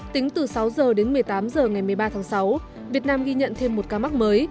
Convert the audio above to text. tính từ sáu h đến một mươi tám h ngày một mươi ba tháng sáu việt nam ghi nhận thêm một ca mắc mới